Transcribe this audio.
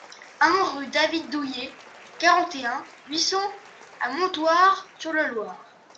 un rue David Douillet, quarante et un, huit cents à Montoire-sur-le-Loir